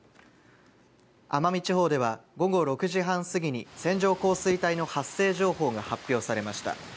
奄美地方では午後６時半すぎに線状降水帯の発生情報が発表されました。